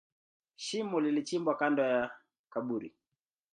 Shimo lilichimbwa kando ya kaburi.